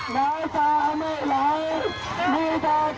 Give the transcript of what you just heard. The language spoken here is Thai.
น้ำตาไม่หลายมีตากระดาษ